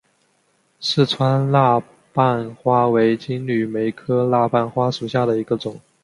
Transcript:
四川蜡瓣花为金缕梅科蜡瓣花属下的一个种。